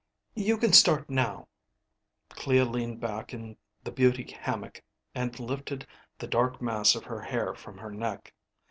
"You can start now." Clea leaned back in the beauty hammock and lifted the dark mass of her hair from her neck.